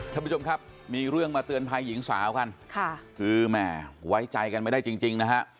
ท่านผู้ชมครับมีเรื่องมาเตือนภัยหญิงสาวกันค่ะคือแหมไว้ใจกันไม่ได้จริงจริงนะฮะ